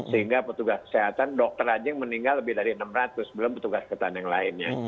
sehingga petugas kesehatan dokter anjing meninggal lebih dari enam ratus belum petugas kesehatan yang lainnya